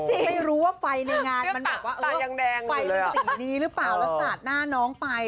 ไม่รู้ว่าไฟในงานมันแบบว่าไฟเป็นสีนี้หรือเปล่าแล้วสาดหน้าน้องไป